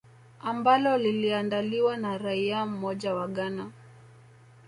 ambalo liliandaliwa na raia mmoja wa ghana